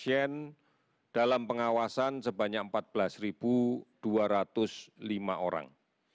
pasien dalam pengawasan sebanyak empat belas dua ratus lima orang